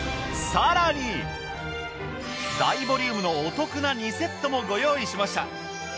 大ボリュームのお得な２セットもご用意しました。